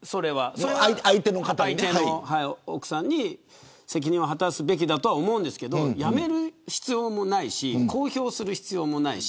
相手の奥さんに責任を果たすべきだとは思うんですけれど辞める必要もないし、公表する必要もない。